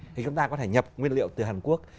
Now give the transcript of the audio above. thì chúng ta có thể nhập nguyên liệu từ hàn quốc